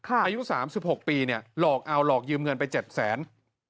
อายุ๓๖ปีหลอกอ่าวหลอกยืมเงินไป๗๐๐๐๐๐บาท